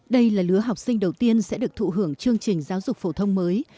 đây là lứa học sinh đầu tiên sẽ được thụ hưởng chương trình giáo dục phổ thông mới